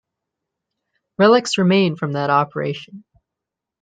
Relics remain from that operation.